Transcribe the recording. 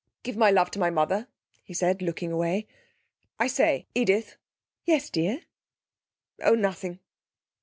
'Give my love to my mother,' he said, looking away. 'I say ' Edith.' 'Yes, dear?' 'Oh, nothing.'